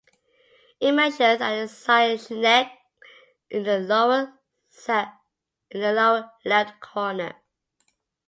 It measures and is signed "Schenck" in the lower left corner.